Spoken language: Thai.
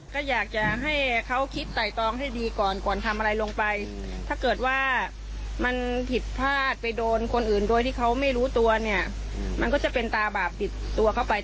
แล้วที่บ้านหนูมันมีเด็ก๔คลลูกของคนที่โดนยิงกับ๒คลชแหละ